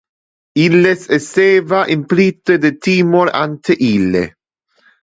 Illes esseva implite de timor ante ille.